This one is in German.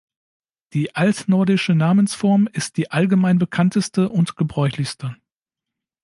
Die altnordische Namensform ist die allgemein bekannteste und gebräuchlichste.